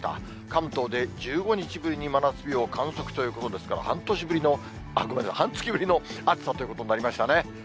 関東で１５日ぶりに真夏日を観測ということですから、半年ぶりの、ごめんなさい、半月ぶりの暑さということになりましたね。